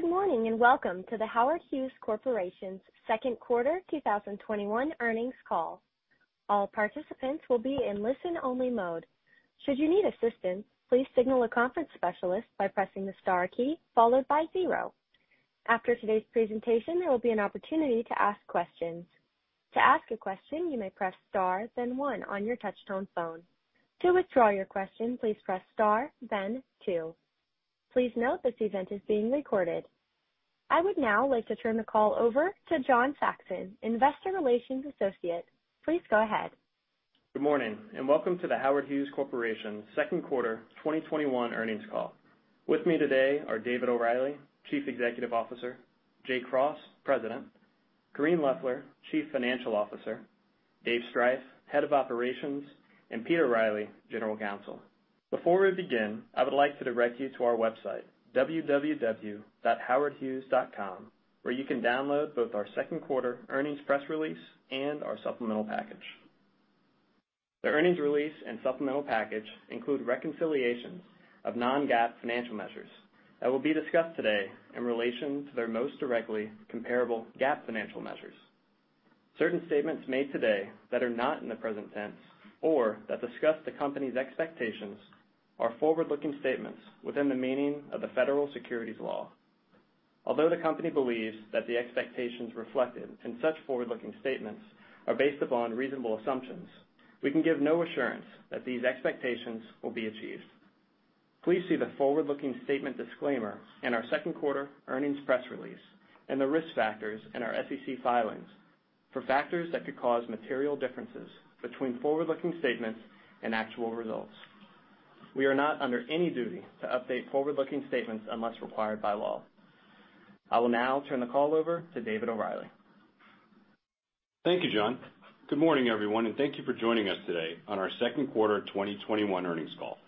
Good morning, and welcome to The Howard Hughes Corporation's second quarter 2021 earnings call. All participants will be in listen-only mode. Should you need assistance, please signal a conference specialist by pressing the star key followed by zero. After today's presentation, there will be an opportunity to ask questions. To ask a question, you may press star then one on your touchtone phone. To withdraw your question, please press star then two. Please note that this event is being recorded. I would now like to turn the call over to John Saxon, Investor Relations Associate. Please go ahead. Good morning, and welcome to The Howard Hughes Corporation second quarter 2021 earnings call. With me today are David O'Reilly, Chief Executive Officer, Jay Cross, President, Correne Loeffler, Chief Financial Officer, David Striph, Head of Operations, and Peter Riley, General Counsel. Before we begin, I would like to direct you to our website, www.howardhughes.com, where you can download both our second quarter earnings press release and our supplemental package. The earnings release and supplemental package include reconciliations of non-GAAP financial measures that will be discussed today in relation to their most directly comparable GAAP financial measures. Certain statements made today that are not in the present tense or that discuss the company's expectations are forward-looking statements within the meaning of the federal securities law. Although the company believes that the expectations reflected in such forward-looking statements are based upon reasonable assumptions, we can give no assurance that these expectations will be achieved. Please see the forward-looking statement disclaimer in our second quarter earnings press release and the risk factors in our SEC filings for factors that could cause material differences between forward-looking statements and actual results. We are not under any duty to update forward-looking statements unless required by law. I will now turn the call over to David O'Reilly. Thank you, John. Good morning, everyone, and thank you for joining us today on our second quarter 2021 earnings call.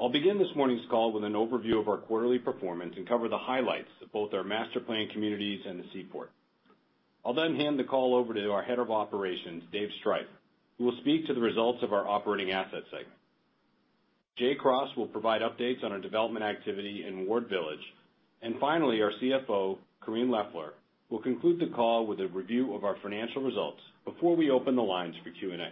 I'll begin this morning's call with an overview of our quarterly performance and cover the highlights of both our master-planned communities and the Seaport. I'll hand the call over to our Head of Operations, David Striph, who will speak to the results of our operating asset segment. Jay Cross will provide updates on our development activity in Ward Village. Finally, our CFO, Correne Loeffler, will conclude the call with a review of our financial results before we open the lines for Q&A.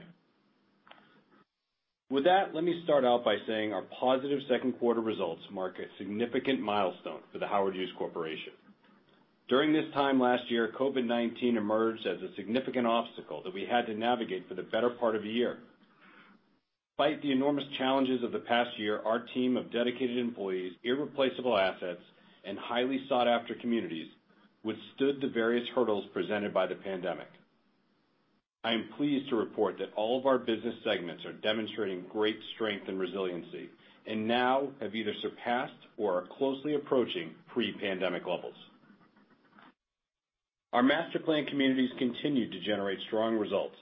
With that, let me start out by saying our positive second quarter results mark a significant milestone for The Howard Hughes Corporation. During this time last year, COVID-19 emerged as a significant obstacle that we had to navigate for the better part of a year. Despite the enormous challenges of the past year, our team of dedicated employees, irreplaceable assets, and highly sought-after communities withstood the various hurdles presented by the pandemic. I am pleased to report that all of our business segments are demonstrating great strength and resiliency, and now have either surpassed or are closely approaching pre-pandemic levels. Our master-planned communities continue to generate strong results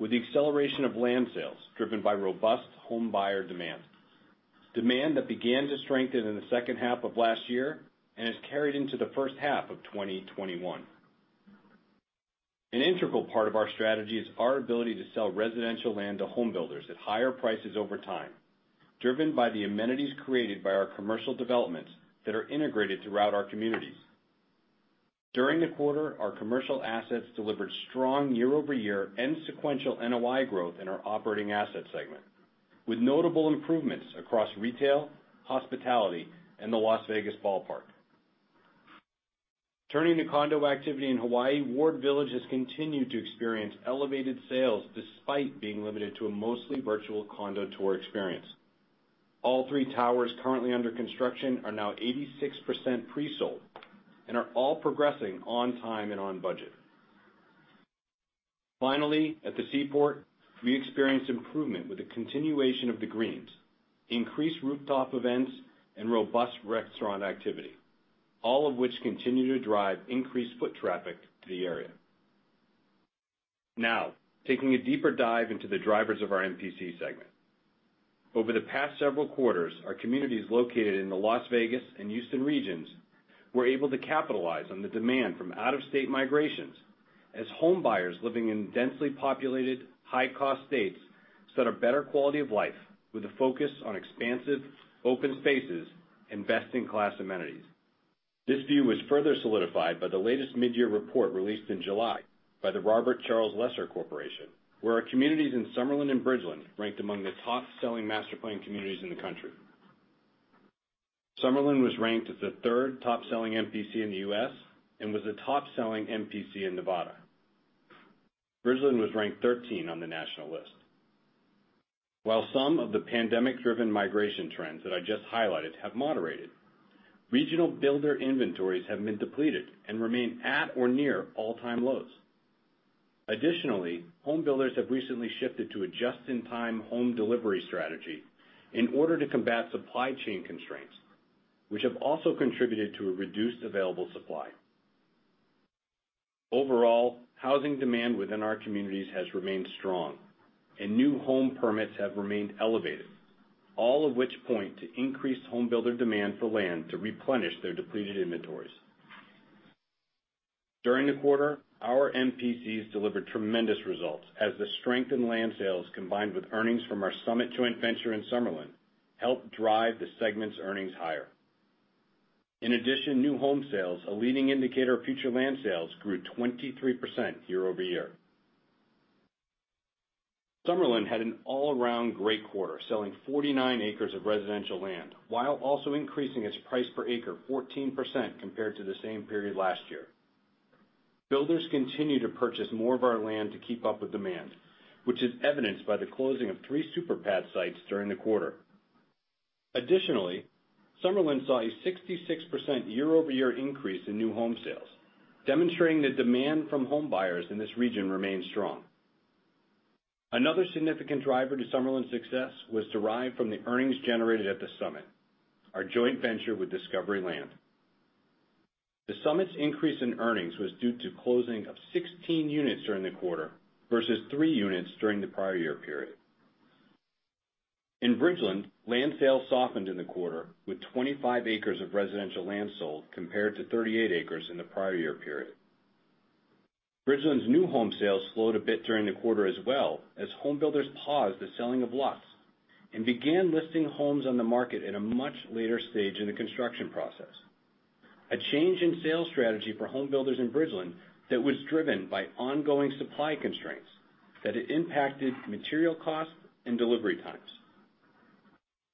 with the acceleration of land sales driven by robust home buyer demand that began to strengthen in the second half of last year and has carried into the first half of 2021. An integral part of our strategy is our ability to sell residential land to home builders at higher prices over time, driven by the amenities created by our commercial developments that are integrated throughout our communities. During the quarter, our commercial assets delivered strong year-over-year and sequential NOI growth in our operating asset segment, with notable improvements across retail, hospitality, and the Las Vegas Ballpark. Turning to condo activity in Hawaii, Ward Village has continued to experience elevated sales despite being limited to a mostly virtual condo tour experience. All three towers currently under construction are now 86% pre-sold and are all progressing on time and on budget. Finally, at the Seaport, we experienced improvement with the continuation of The Greens, increased rooftop events, and robust restaurant activity, all of which continue to drive increased foot traffic to the area. Now, taking a deeper dive into the drivers of our MPC segment. Over the past several quarters, our communities located in the Las Vegas and Houston regions were able to capitalize on the demand from out-of-state migrations as home buyers living in densely populated, high-cost states sought a better quality of life with a focus on expansive open spaces and best-in-class amenities. This view was further solidified by the latest mid-year report released in July by the Robert Charles Lesser Corporation, where our communities in Summerlin and Bridgeland ranked among the top-selling master-planned communities in the country. Summerlin was ranked as the third top-selling MPC in the U.S. and was the top-selling MPC in Nevada. Bridgeland was ranked 13 on the national list. While some of the pandemic-driven migration trends that I just highlighted have moderated, regional builder inventories have been depleted and remain at or near all-time lows. Additionally, home builders have recently shifted to a just-in-time home delivery strategy in order to combat supply chain constraints, which have also contributed to a reduced available supply. Overall, housing demand within our communities has remained strong, and new home permits have remained elevated, all of which point to increased home builder demand for land to replenish their depleted inventories. During the quarter, our MPCs delivered tremendous results as the strength in land sales, combined with earnings from our Summit joint venture in Summerlin, helped drive the segment's earnings higher. In addition, new home sales, a leading indicator of future land sales, grew 23% year-over-year. Summerlin had an all-around great quarter, selling 49 acres of residential land while also increasing its price per acre 14% compared to the same period last year. Builders continue to purchase more of our land to keep up with demand, which is evidenced by the closing of three super pad sites during the quarter. Additionally, Summerlin saw a 66% year-over-year increase in new home sales, demonstrating that demand from home buyers in this region remains strong. Another significant driver to Summerlin's success was derived from the earnings generated at The Summit, our joint venture with Discovery Land. The Summit's increase in earnings was due to closing of 16 units during the quarter versus three units during the prior year period. In Bridgeland, land sales softened in the quarter, with 25 acres of residential land sold compared to 38 acres in the prior year period. Bridgeland's new home sales slowed a bit during the quarter as well as home builders paused the selling of lots and began listing homes on the market at a much later stage in the construction process. A change in sales strategy for home builders in Bridgeland that was driven by ongoing supply constraints, that it impacted material costs and delivery times.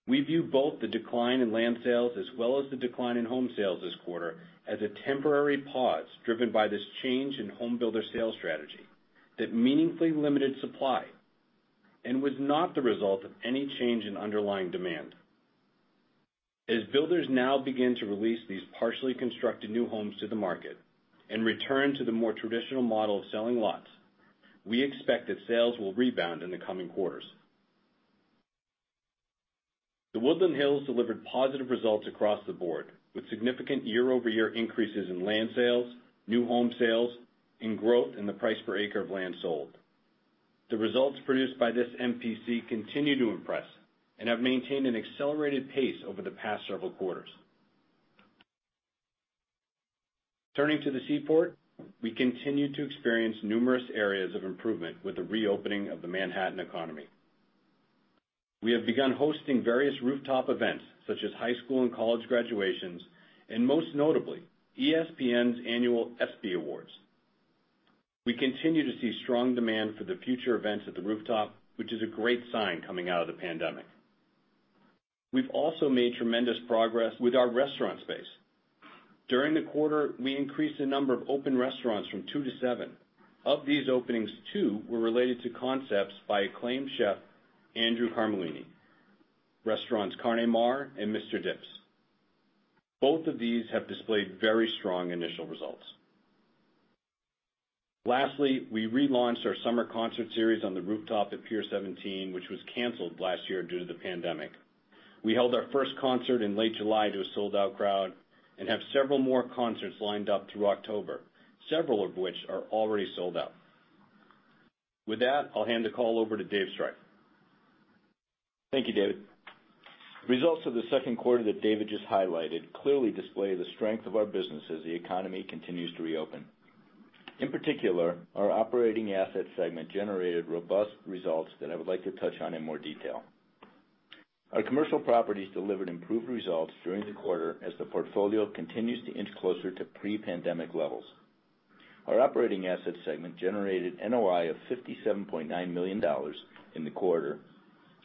We view both the decline in land sales as well as the decline in home sales this quarter as a temporary pause driven by this change in home builder sales strategy that meaningfully limited supply and was not the result of any change in underlying demand. As builders now begin to release these partially constructed new homes to the market and return to the more traditional model of selling lots, we expect that sales will rebound in the coming quarters. The Woodlands Hills delivered positive results across the board, with significant year-over-year increases in land sales, new home sales, and growth in the price per acre of land sold. The results produced by this MPC continue to impress and have maintained an accelerated pace over the past several quarters. Turning to the Seaport, we continue to experience numerous areas of improvement with the reopening of the Manhattan economy. We have begun hosting various rooftop events such as high school and college graduations, and most notably, ESPN's annual ESPY Awards. We continue to see strong demand for the future events at the rooftop, which is a great sign coming out of the pandemic. We've also made tremendous progress with our restaurant space. During the quarter, we increased the number of open restaurants from two to seven. Of these openings, two were related to concepts by acclaimed chef Andrew Carmellini, restaurants Carne Mare and Mister Dips. Both of these have displayed very strong initial results. Lastly, we relaunched our summer concert series On The Rooftop at Pier 17, which was canceled last year due to the pandemic. We held our first concert in late July to a sold-out crowd and have several more concerts lined up through October, several of which are already sold out. With that, I'll hand the call over to David Striph. Thank you, David. Results of the second quarter that David just highlighted clearly display the strength of our business as the economy continues to reopen. In particular, our operating asset segment generated robust results that I would like to touch on in more detail. Our commercial properties delivered improved results during the quarter as the portfolio continues to inch closer to pre-pandemic levels. Our operating asset segment generated NOI of $57.9 million in the quarter,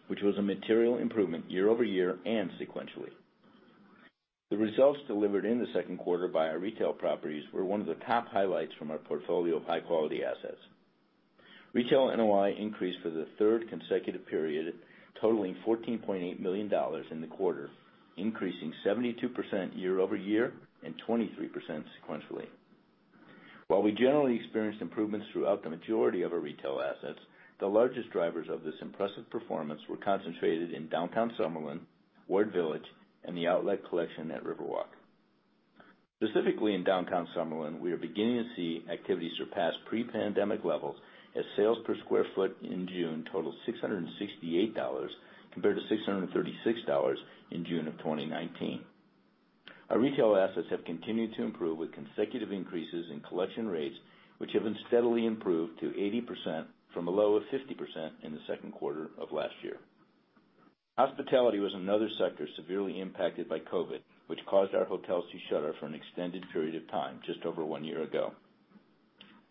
which was a material improvement year-over-year and sequentially. The results delivered in the second quarter by our retail properties were one of the top highlights from our portfolio of high-quality assets. Retail NOI increased for the third consecutive period, totaling $14.8 million in the quarter, increasing 72% year-over-year and 23% sequentially. While we generally experienced improvements throughout the majority of our retail assets, the largest drivers of this impressive performance were concentrated in Downtown Summerlin, Ward Village, and the Outlet Collection at Riverwalk. Specifically in Downtown Summerlin, we are beginning to see activity surpass pre-pandemic levels as sales per square foot in June totaled $668 compared to $636 in June of 2019. Our retail assets have continued to improve with consecutive increases in collection rates, which have been steadily improved to 80% from a low of 50% in the second quarter of last year. Hospitality was another sector severely impacted by COVID, which caused our hotels to shutter for an extended period of time just over one year ago.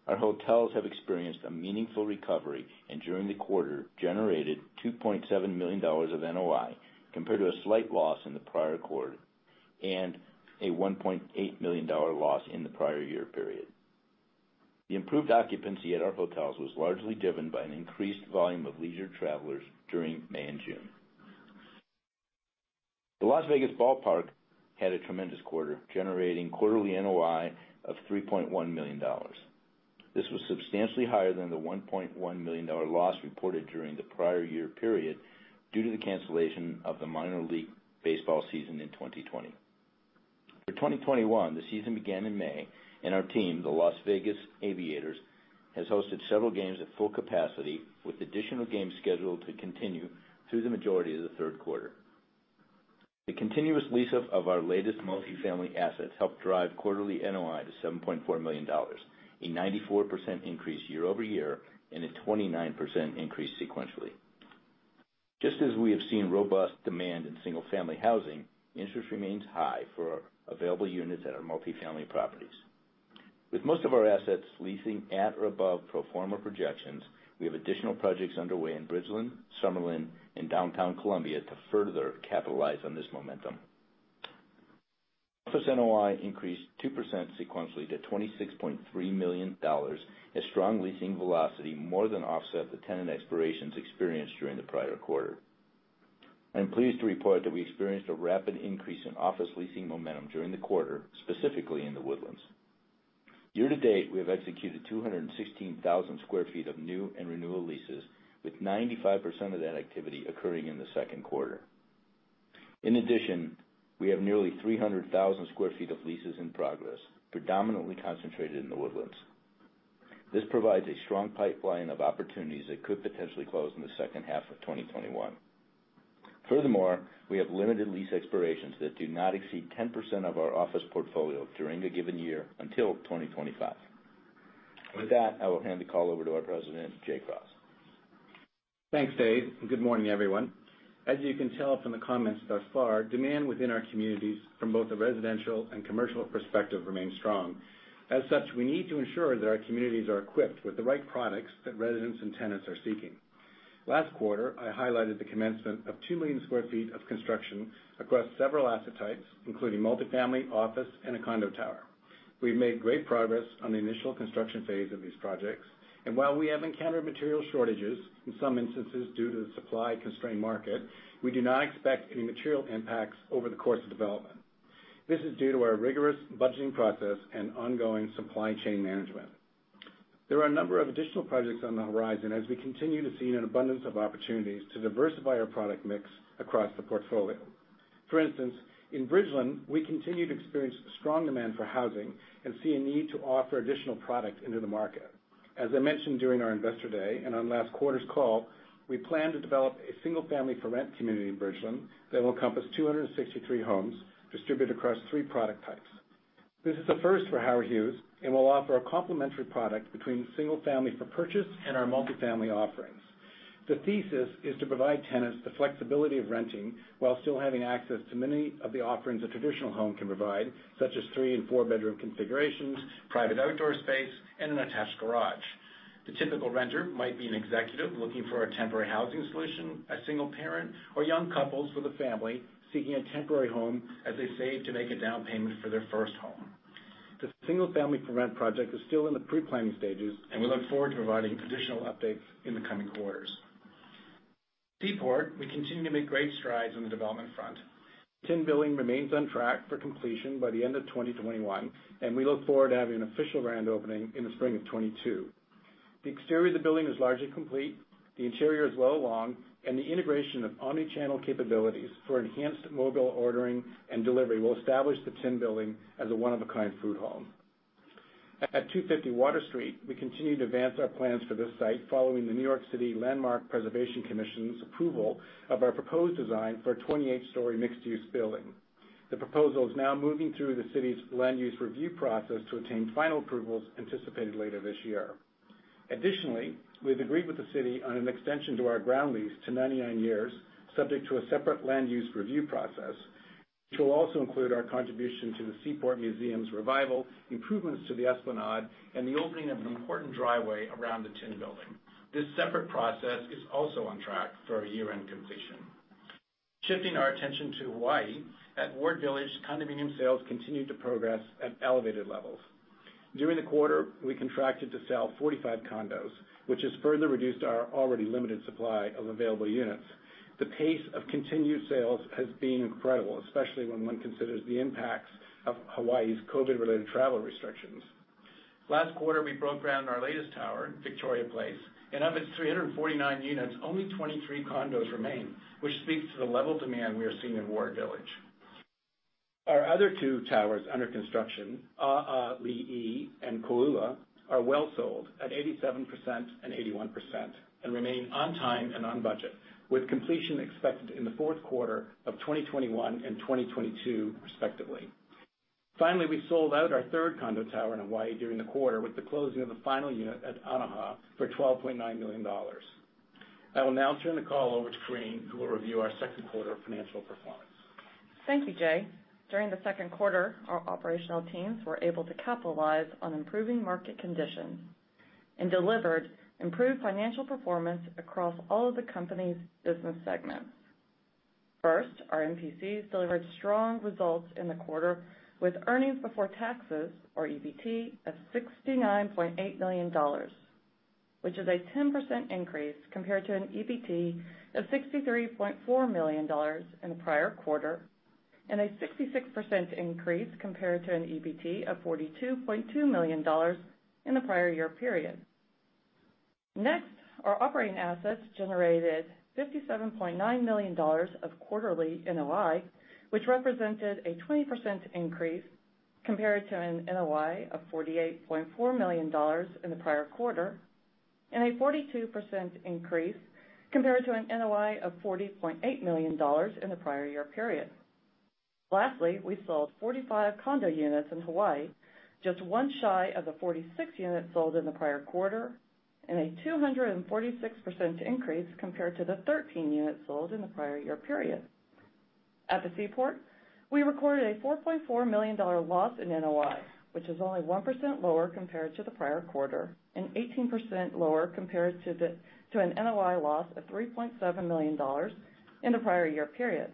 Our hotels have experienced a meaningful recovery, and during the quarter, generated $2.7 million of NOI compared to a slight loss in the prior quarter and a $1.8 million loss in the prior year period. The improved occupancy at our hotels was largely driven by an increased volume of leisure travelers during May and June. The Las Vegas Ballpark had a tremendous quarter, generating quarterly NOI of $3.1 million. This was substantially higher than the $1.1 million loss reported during the prior year period due to the cancellation of the minor league baseball season in 2020. For 2021, the season began in May, and our team, the Las Vegas Aviators, has hosted several games at full capacity with additional games scheduled to continue through the majority of the third quarter. The continuous lease of our latest multifamily assets helped drive quarterly NOI to $7.4 million, a 94% increase year-over-year and a 29% increase sequentially. Just as we have seen robust demand in single-family housing, interest remains high for available units at our multifamily properties. With most of our assets leasing at or above pro forma projections, we have additional projects underway in Bridgeland, Summerlin, and Downtown Columbia to further capitalize on this momentum. Office NOI increased 2% sequentially to $26.3 million as strong leasing velocity more than offset the tenant expirations experienced during the prior quarter. I'm pleased to report that we experienced a rapid increase in office leasing momentum during the quarter, specifically in The Woodlands. Year to date, we have executed 216,000 sq ft of new and renewal leases, with 95% of that activity occurring in the second quarter. In addition, we have nearly 300,000 sq ft of leases in progress, predominantly concentrated in The Woodlands. This provides a strong pipeline of opportunities that could potentially close in the second half of 2021. Furthermore, we have limited lease expirations that do not exceed 10% of our office portfolio during a given year until 2025. With that, I will hand the call over to our President, Jay Cross. Thanks, Dave. Good morning, everyone. As you can tell from the comments thus far, demand within our communities from both a residential and commercial perspective remains strong. As such, we need to ensure that our communities are equipped with the right products that residents and tenants are seeking. Last quarter, I highlighted the commencement of 2 million sq ft of construction across several asset types, including multifamily, office, and a condo tower. We've made great progress on the initial construction phase of these projects. While we have encountered material shortages, in some instances due to the supply-constrained market, we do not expect any material impacts over the course of development. This is due to our rigorous budgeting process and ongoing supply chain management. There are a number of additional projects on the horizon as we continue to see an abundance of opportunities to diversify our product mix across the portfolio. For instance, in Bridgeland, we continue to experience strong demand for housing and see a need to offer additional product into the market. As I mentioned during our investor day and on last quarter's call, we plan to develop a single-family for rent community in Bridgeland that will encompass 263 homes distributed across three product types. This is a first for The Howard Hughes and will offer a complementary product between single-family for purchase and our multifamily offerings. The thesis is to provide tenants the flexibility of renting while still having access to many of the offerings a traditional home can provide, such as three and four-bedroom configurations, private outdoor space, and an attached garage. The typical renter might be an executive looking for a temporary housing solution, a single parent, or young couples with a family seeking a temporary home as they save to make a down payment for their first home. The single-family for rent project is still in the pre-planning stages, and we look forward to providing additional updates in the coming quarters. At Seaport, we continue to make great strides on the development front. Tin Building remains on track for completion by the end of 2021, and we look forward to having an official grand opening in the spring of 2022. The exterior of the building is largely complete, the interior is well along, and the integration of omnichannel capabilities for enhanced mobile ordering and delivery will establish the Tin Building as a one-of-a-kind food hall. At 250 Water Street, we continue to advance our plans for this site following the New York City Landmarks Preservation Commission's approval of our proposed design for a 28-story mixed-use building. The proposal is now moving through the city's land use review process to obtain final approvals anticipated later this year. Additionally, we've agreed with the city on an extension to our ground lease to 99 years, subject to a separate land use review process, which will also include our contribution to the Seaport Museum's revival, improvements to the esplanade, and the opening of an important driveway around the Tin Building. This separate process is also on track for a year-end completion. Shifting our attention to Hawaii, at Ward Village, condominium sales continue to progress at elevated levels. During the quarter, we contracted to sell 45 condos, which has further reduced our already limited supply of available units. The pace of continued sales has been incredible, especially when one considers the impacts of Hawaii's COVID-related travel restrictions. Last quarter, we broke ground on our latest tower, Victoria Place, and of its 349 units, only 23 condos remain, which speaks to the level of demand we are seeing in Ward Village. Our other two towers under construction, ʻAʻaliʻi and Kōʻula, are well sold at 87% and 81%, and remain on time and on budget, with completion expected in the fourth quarter of 2021 and 2022, respectively. Finally, we sold out our third condo tower in Hawaii during the quarter with the closing of the final unit at Anaha for $12.9 million. I will now turn the call over to Correne, who will review our second quarter financial performance. Thank you, Jay. During the second quarter, our operational teams were able to capitalize on improving market conditions and delivered improved financial performance across all of the company's business segments. First, our MPCs delivered strong results in the quarter, with earnings before taxes, or EBT, of $69.8 million, which is a 10% increase compared to an EBT of $63.4 million in the prior quarter, and a 66% increase compared to an EBT of $42.2 million in the prior year period. Next, our operating assets generated $57.9 million of quarterly NOI, which represented a 20% increase compared to an NOI of $48.4 million in the prior quarter. A 42% increase compared to an NOI of $40.8 million in the prior year period. Lastly, we sold 45 condo units in Hawaii, just one shy of the 46 units sold in the prior quarter, and a 246% increase compared to the 13 units sold in the prior year period. At the Seaport, we recorded a $4.4 million loss in NOI, which is only 1% lower compared to the prior quarter and 18% lower compared to an NOI loss of $3.7 million in the prior year period.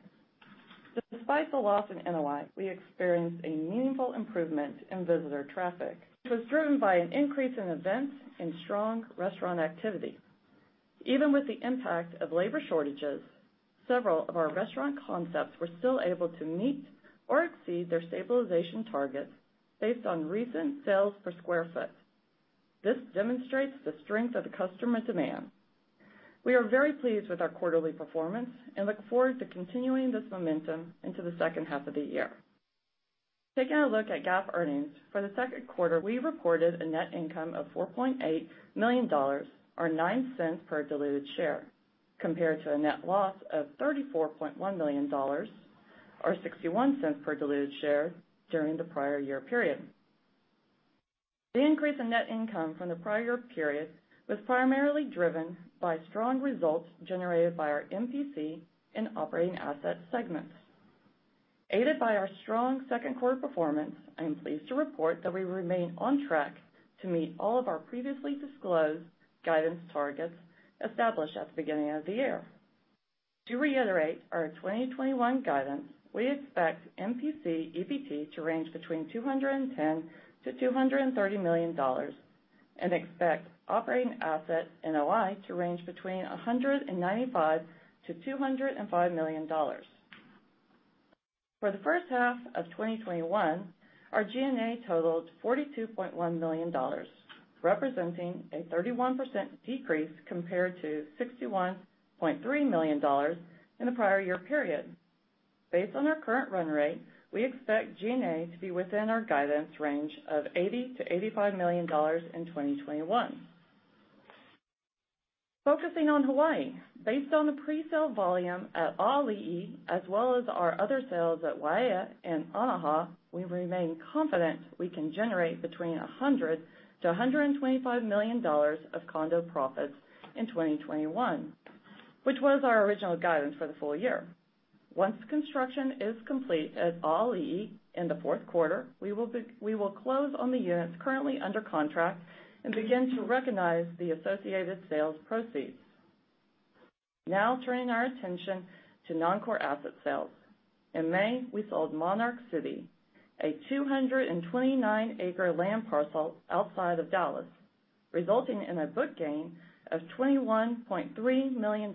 Despite the loss in NOI, we experienced a meaningful improvement in visitor traffic. It was driven by an increase in events and strong restaurant activity. Even with the impact of labor shortages, several of our restaurant concepts were still able to meet or exceed their stabilization targets based on recent sales per square foot. This demonstrates the strength of the customer demand. We are very pleased with our quarterly performance and look forward to continuing this momentum into the second half of the year. Taking a look at GAAP earnings. For the second quarter, we reported a net income of $4.8 million, or $0.09 per diluted share, compared to a net loss of $34.1 million, or $0.61 per diluted share, during the prior year period. The increase in net income from the prior year period was primarily driven by strong results generated by our MPC and operating asset segments. Aided by our strong second quarter performance, I am pleased to report that we remain on track to meet all of our previously disclosed guidance targets established at the beginning of the year. To reiterate our 2021 guidance, we expect MPC EBT to range between $210 million-$230 million and expect operating asset NOI to range between $195 million-$205 million. For the first half of 2021, our G&A totaled $42.1 million, representing a 31% decrease compared to $61.3 million in the prior year period. Based on our current run rate, we expect G&A to be within our guidance range of $80 million-$85 million in 2021. Focusing on Hawaii. Based on the presale volume at ʻAʻaliʻi, as well as our other sales at Waiea and Anaha, we remain confident we can generate between $100 million-$125 million of condo profits in 2021, which was our original guidance for the full year. Once construction is complete at ʻAʻaliʻi in the fourth quarter, we will close on the units currently under contract and begin to recognize the associated sales proceeds. Now turning our attention to non-core asset sales. In May, we sold Monarch City, a 229-acre land parcel outside of Dallas, resulting in a book gain of $21.3 million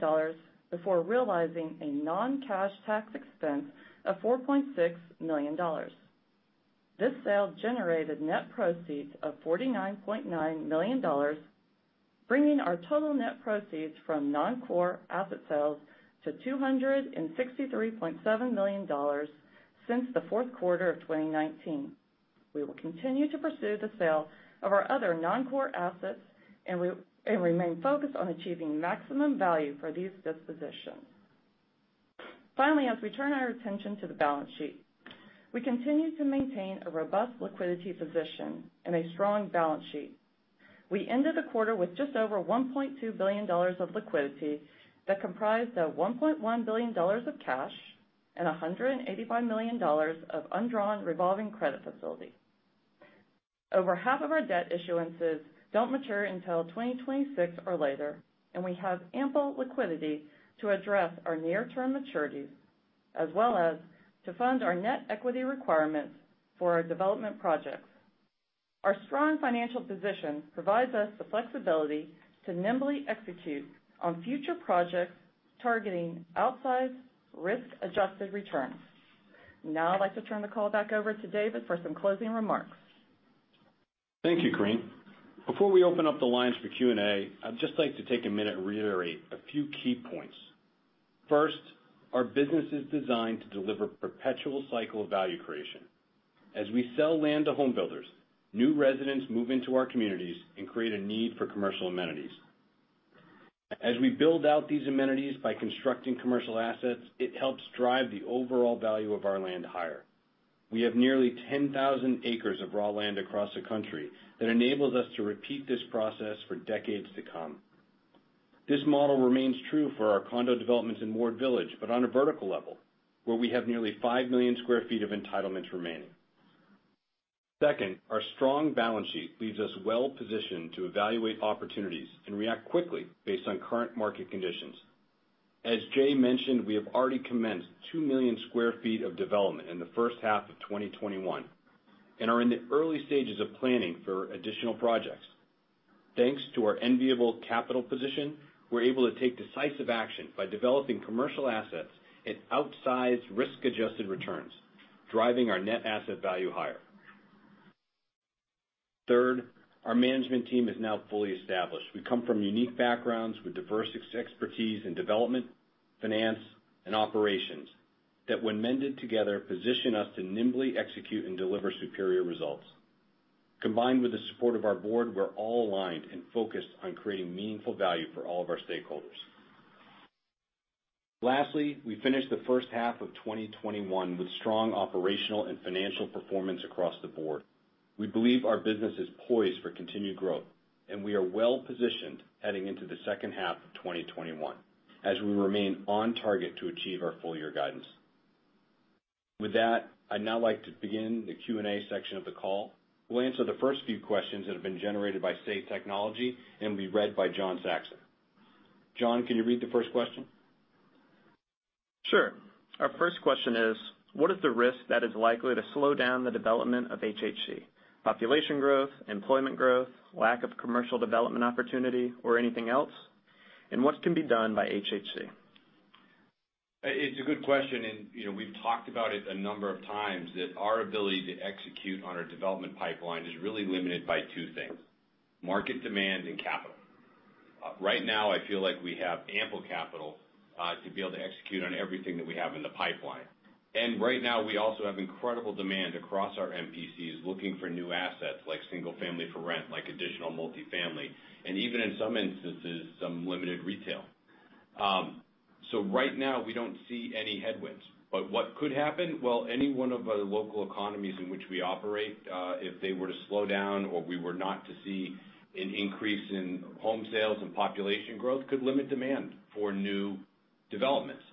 before realizing a non-cash tax expense of $4.6 million. This sale generated net proceeds of $49.9 million, bringing our total net proceeds from non-core asset sales to $263.7 million since the fourth quarter of 2019. We will continue to pursue the sale of our other non-core assets and remain focused on achieving maximum value for these dispositions. Finally, as we turn our attention to the balance sheet. We continue to maintain a robust liquidity position and a strong balance sheet. We ended the quarter with just over $1.2 billion of liquidity that comprised of $1.1 billion of cash and $185 million of undrawn revolving credit facility. Over half of our debt issuances don't mature until 2026 or later, and we have ample liquidity to address our near-term maturities, as well as to fund our net equity requirements for our development projects. Our strong financial position provides us the flexibility to nimbly execute on future projects targeting outsized risk-adjusted returns. Now I'd like to turn the call back over to David for some closing remarks. Thank you, Correne. Before we open up the lines for Q&A, I'd just like to take a minute and reiterate a few key points. First, our business is designed to deliver perpetual cycle of value creation. As we sell land to home builders, new residents move into our communities and create a need for commercial amenities. As we build out these amenities by constructing commercial assets, it helps drive the overall value of our land higher. We have nearly 10,000 acres of raw land across the country that enables us to repeat this process for decades to come. This model remains true for our condo developments in Ward Village, but on a vertical level, where we have nearly 5 million sq ft of entitlements remaining. Second, our strong balance sheet leaves us well positioned to evaluate opportunities and react quickly based on current market conditions. As Jay mentioned, we have already commenced 2 million sq ft of development in the first half of 2021 and are in the early stages of planning for additional projects. Thanks to our enviable capital position, we're able to take decisive action by developing commercial assets at outsized risk-adjusted returns, driving our net asset value higher. Third, our management team is now fully established. We come from unique backgrounds with diverse expertise in development, finance, and operations. That when mended together, position us to nimbly execute and deliver superior results. Combined with the support of our board, we're all aligned and focused on creating meaningful value for all of our stakeholders. Lastly, we finished the first half of 2021 with strong operational and financial performance across the board. We believe our business is poised for continued growth, and we are well-positioned heading into the second half of 2021, as we remain on target to achieve our full-year guidance. With that, I'd now like to begin the Q&A section of the call. We'll answer the first few questions that have been generated by Say Technologies, and will be read by John Saxon. John, can you read the first question? Sure. Our first question is, what is the risk that is likely to slow down the development of HHC? Population growth, employment growth, lack of commercial development opportunity, or anything else? What can be done by HHC? It's a good question. We've talked about it a number of times, that our ability to execute on our development pipeline is really limited by two things, market demand and capital. Right now, I feel like we have ample capital to be able to execute on everything that we have in the pipeline. Right now, we also have incredible demand across our MPCs, looking for new assets like single-family for rent, like additional multi-family, and even in some instances, some limited retail. Right now, we don't see any headwinds. What could happen? Well, any one of the local economies in which we operate, if they were to slow down or we were not to see an increase in home sales and population growth, could limit demand for new developments.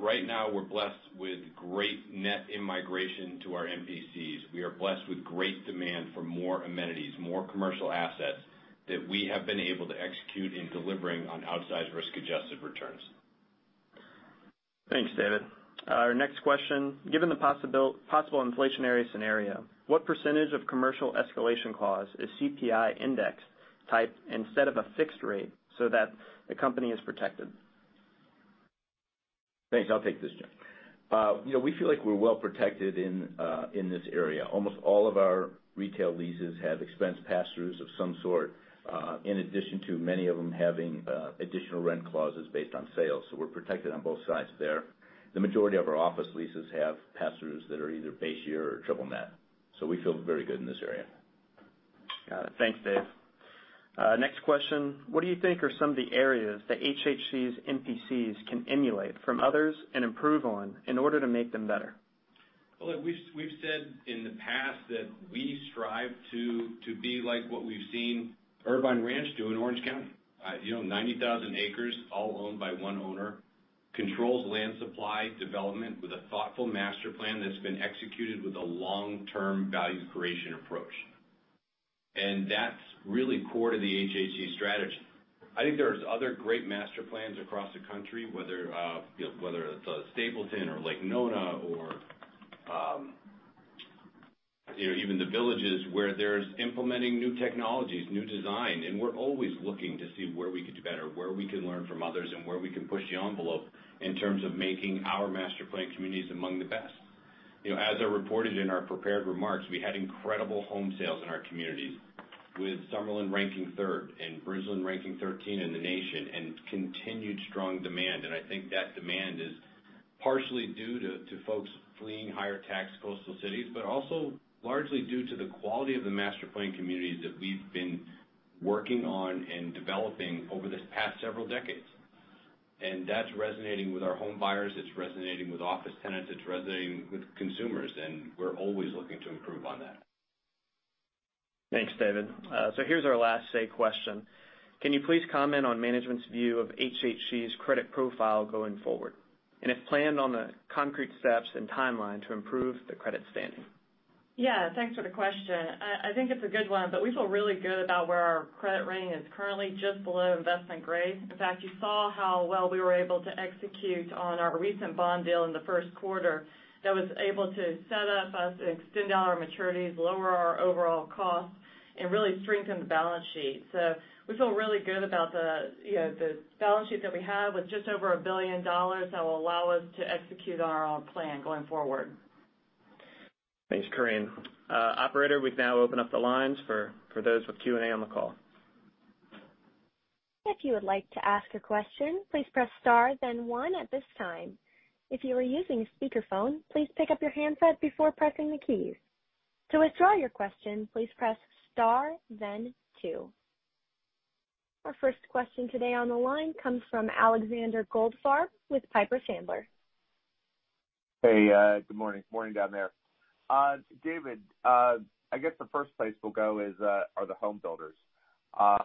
Right now, we're blessed with great net in-migration to our MPCs. We are blessed with great demand for more amenities, more commercial assets that we have been able to execute in delivering on outsized risk-adjusted returns. Thanks, David. Our next question. Given the possible inflationary scenario, what percentage of commercial escalation clause is CPI index type instead of a fixed rate so that the company is protected? Thanks. I'll take this, John. We feel like we're well protected in this area. Almost all of our retail leases have expense pass-throughs of some sort, in addition to many of them having additional rent clauses based on sales. We're protected on both sides there. The majority of our office leases have pass-throughs that are either base year or triple net. We feel very good in this area. Got it. Thanks, Dave. Next question. What do you think are some of the areas that HHC's MPCs can emulate from others and improve on in order to make them better? Well, we've said in the past that we strive to be like what we've seen Irvine Ranch do in Orange County. 90,000 acres all owned by one owner, controls land supply, development with a thoughtful master plan that's been executed with a long-term value creation approach. That's really core to the HHC strategy. I think there's other great master plans across the country, whether it's Stapleton or Lake Nona or even The Villages where there's implementing new technologies, new design, and we're always looking to see where we could do better, where we can learn from others, and where we can push the envelope in terms of making our master planned communities among the best. As I reported in our prepared remarks, we had incredible home sales in our communities, with Summerlin ranking third and Bridgeland ranking 13 in the nation, and continued strong demand. I think that demand is partially due to folks fleeing higher-tax coastal cities, but also largely due to the quality of the master planned communities that we've been working on and developing over these past several decades. That's resonating with our home buyers. It's resonating with office tenants. It's resonating with consumers, and we're always looking to improve on that. Thanks, David. Here's our last Say question. Can you please comment on management's view of HHC's credit profile going forward, and if planned, on the concrete steps and timeline to improve the credit standing? Yeah. Thanks for the question. I think it's a good one, but we feel really good about where our credit rating is currently just below investment grade. In fact, you saw how well we were able to execute on our recent bond deal in the first quarter that was able to set up us to extend out our maturities, lower our overall costs, and really strengthen the balance sheet. We feel really good about the balance sheet that we have with just over $1 billion that will allow us to execute on our plan going forward. Thanks, Correne. Operator, we can now open up the lines for those with Q&A on the call. If you would like to ask a question, please press star then one at this time. If you are using a speakerphone, please pick up your handset before pressing the key. To withdraw your question, please press star then two. Our first question today on the line comes from Alexander Goldfarb with Piper Sandler. Hey, good morning. Morning down there. David, I guess the first place we'll go are the home builders. A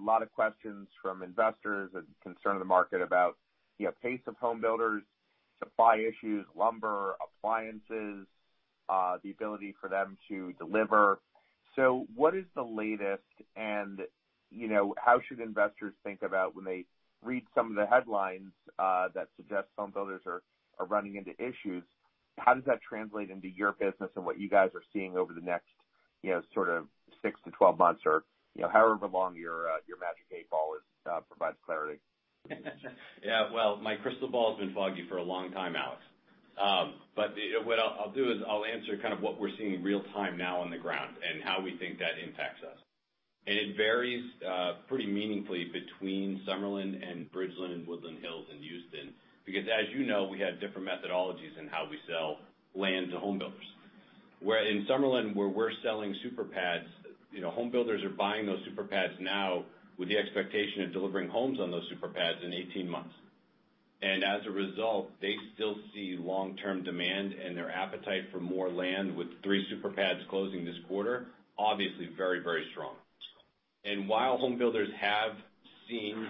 lot of questions from investors and concern of the market about pace of home builders, supply issues, lumber, appliances, the ability for them to deliver. What is the latest and how should investors think about when they read some of the headlines that suggest home builders are running into issues? How does that translate into your business and what you guys are seeing over the next sort of six to 12 months, or however long your Magic 8 Ball provides clarity? Yeah. Well, my crystal ball has been foggy for a long time, Alex. What I'll do is I'll answer kind of what we're seeing in real time now on the ground, and how we think that impacts us. It varies pretty meaningfully between Summerlin and Bridgeland and Woodland Hills and Houston, because as you know, we have different methodologies in how we sell land to home builders. Where in Summerlin, where we're selling super pads, home builders are buying those super pads now with the expectation of delivering homes on those super pads in 18 months. As a result, they still see long-term demand and their appetite for more land with three super pads closing this quarter, obviously very, very strong. While home builders have seen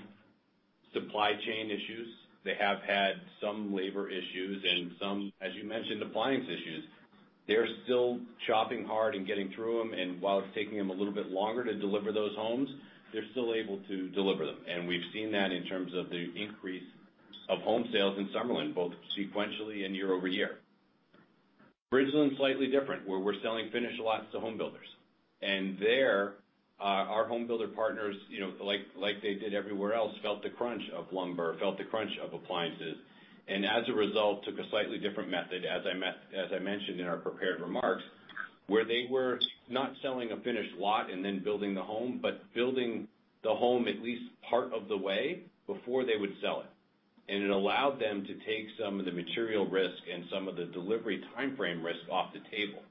supply chain issues, they have had some labor issues and some, as you mentioned, appliance issues. They're still chopping hard and getting through them, and while it's taking them a little bit longer to deliver those homes, they're still able to deliver them. We've seen that in terms of the increase of home sales in Summerlin, both sequentially and year-over-year. Bridgeland's slightly different, where we're selling finished lots to home builders. There, our home builder partners, like they did everywhere else, felt the crunch of lumber, felt the crunch of appliances, and as a result, took a slightly different method, as I mentioned in our prepared remarks, where they were not selling a finished lot and then building the home, but building the home at least part of the way before they would sell it. It allowed them to take some of the material risk and some of the delivery timeframe risk off the table.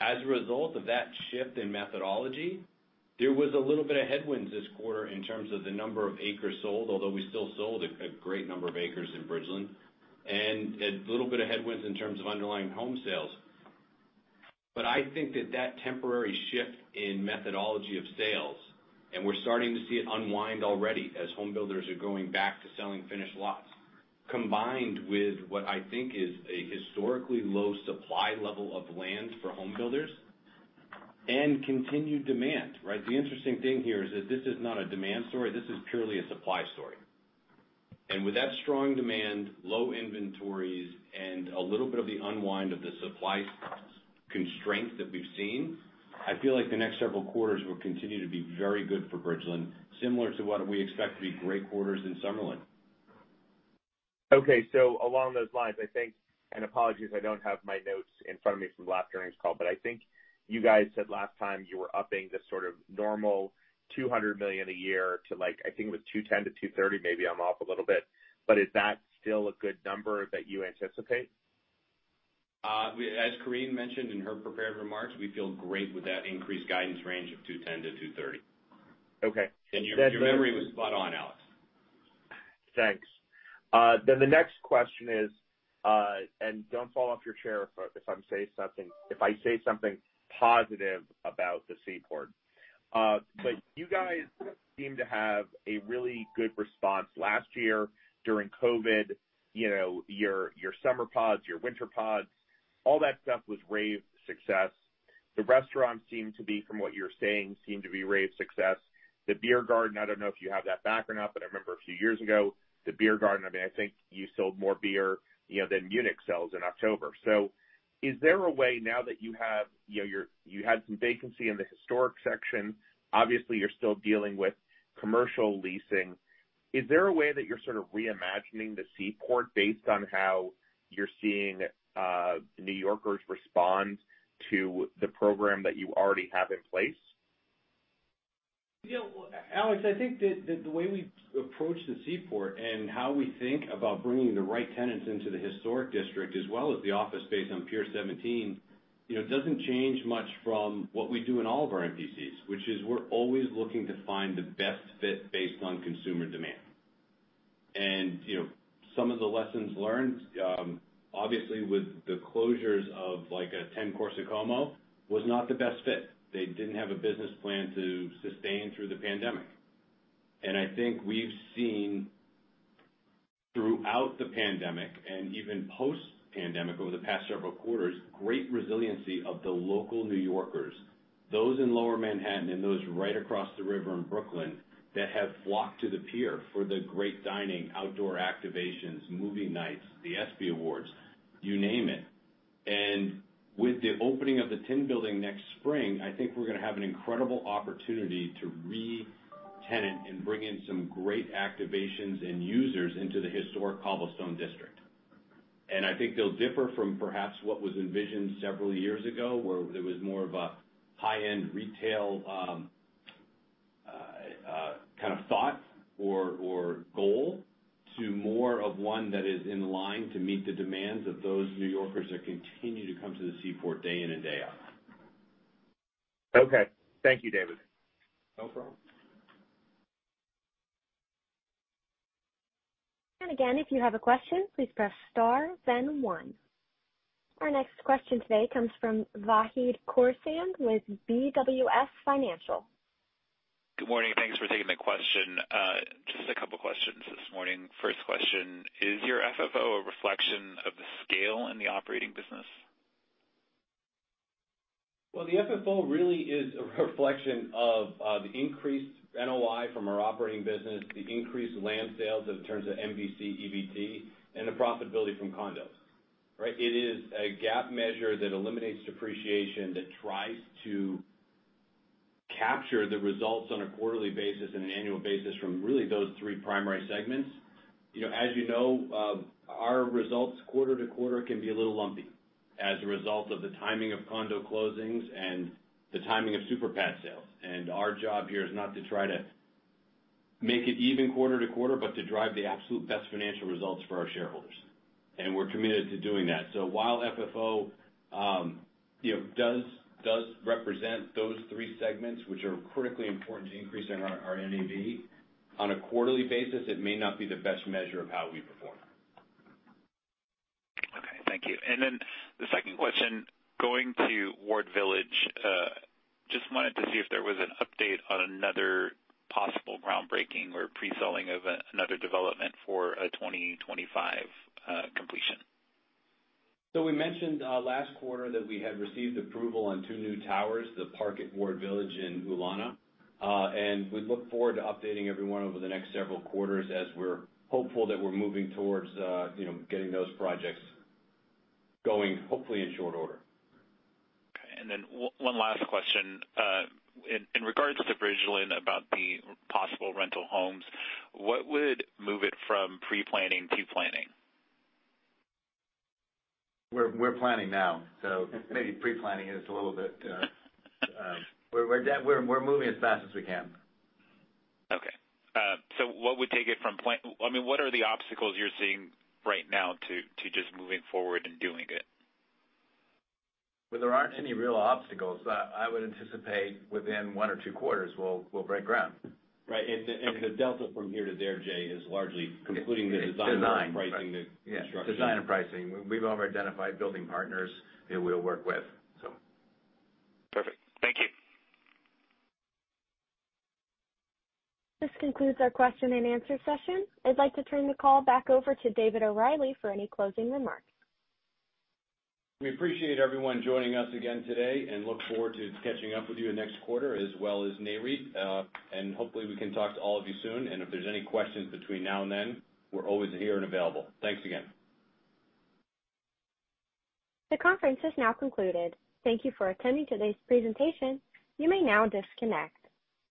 As a result of that shift in methodology, there was a little bit of headwinds this quarter in terms of the number of acres sold, although we still sold a great number of acres in Bridgeland, and a little bit of headwinds in terms of underlying home sales. I think that that temporary shift in methodology of sales, and we're starting to see it unwind already as home builders are going back to selling finished lots, combined with what I think is a historically low supply level of land for home builders and continued demand, right? The interesting thing here is that this is not a demand story. This is purely a supply story. With that strong demand, low inventories, and a little bit of the unwind of the supply constraints that we've seen, I feel like the next several quarters will continue to be very good for Bridgeland, similar to what we expect to be great quarters in Summerlin. Along those lines, I think, and apologies, I don't have my notes in front of me from last earnings call, I think you guys said last time you were upping the sort of normal $200 million a year to like, I think it was $210 million-$230 million. Maybe I'm off a little bit. Is that still a good number that you anticipate? As Correne mentioned in her prepared remarks, we feel great with that increased guidance range of $210 million-$230 million. Okay. Your memory was spot on, Alex. Thanks. The next question is, and don't fall off your chair if I say something positive about The Seaport. You guys seem to have a really good response last year during COVID-19, your summer pods, your winter pods, all that stuff was rave success. The restaurants seem to be, from what you're saying, rave success. The Beer Garden, I don't know if you have that back or not, but I remember a few years ago, The Beer Garden, I think you sold more beer than Munich sells in October. Is there a way now that you have some vacancy in the historic section, obviously you're still dealing with commercial leasing? Is there a way that you're sort of reimagining The Seaport based on how you're seeing New Yorkers respond to the program that you already have in place? Alex, I think that the way we approach the Seaport and how we think about bringing the right tenants into the historic district as well as the office space on Pier 17, doesn't change much from what we do in all of our MPCs, which is we're always looking to find the best fit based on consumer demand. Some of the lessons learned, obviously, with the closures of like a 10 Corso Como was not the best fit. They didn't have a business plan to sustain through the pandemic. I think we've seen throughout the pandemic and even post-pandemic over the past several quarters, great resiliency of the local New Yorkers, those in Lower Manhattan and those right across the river in Brooklyn that have flocked to the pier for the great dining, outdoor activations, movie nights, the ESPY Awards, you name it. With the opening of the Tin Building next spring, I think we're going to have an incredible opportunity to re-tenant and bring in some great activations and users into the historic cobblestone district. I think they'll differ from perhaps what was envisioned several years ago, where there was more of a high-end retail kind of thought or goal to more of one that is in line to meet the demands of those New Yorkers that continue to come to the Seaport day in and day out. Okay. Thank you, David. No problem. Again, if you have a question, please press star then one. Our next question today comes from Vahid Khorsand with BWS Financial. Good morning. Thanks for taking the question. Just a couple questions this morning. First question, is your FFO a reflection of the scale in the operating business? The FFO really is a reflection of the increased NOI from our operating business, the increased land sales in terms of MPC, EBT, and the profitability from condos. Right? It is a GAAP measure that eliminates depreciation that tries to capture the results on a quarterly basis and an annual basis from really those three primary segments. As you know, our results quarter-to-quarter can be a little lumpy as a result of the timing of condo closings and the timing of super pad sales. Our job here is not to try to make it even quarter-to-quarter, but to drive the absolute best financial results for our shareholders. We're committed to doing that. While FFO does represent those three segments, which are critically important to increasing our NAV on a quarterly basis, it may not be the best measure of how we perform. Okay. Thank you. The second question, going to Ward Village, just wanted to see if there was an update on another possible groundbreaking or pre-selling of another development for a 2025 completion. We mentioned last quarter that we had received approval on two new towers, The Park at Ward Village and Ulana. We look forward to updating everyone over the next several quarters as we're hopeful that we're moving towards getting those projects going, hopefully in short order. Okay. One last question. In regards to Bridgeland about the possible rental homes, what would move it from pre-planning to planning? We're planning now. We're moving as fast as we can. Okay. What are the obstacles you're seeing right now to just moving forward and doing it? Well, there aren't any real obstacles. I would anticipate within one or two quarters we'll break ground. Right. The delta from here to there, Jay, is largely concluding the design pricing, the construction. Yeah, design and pricing. We've already identified building partners that we'll work with. Perfect. Thank you. This concludes our question and answer session. I'd like to turn the call back over to David O'Reilly for any closing remarks. We appreciate everyone joining us again today and look forward to catching up with you next quarter as well as Nareit. Hopefully we can talk to all of you soon. If there's any questions between now and then, we're always here and available. Thanks again. The conference has now concluded. Thank you for attending today's presentation. You may now disconnect.